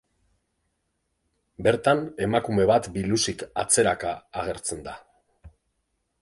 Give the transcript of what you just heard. Bertan emakume bat biluzik atzeraka agertzen da.